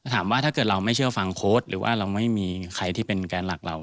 ถ้าเกิดเราไม่เชื่อฟังโค้ดหรือว่าเราไม่มีใครที่เป็นแกนหลักเรา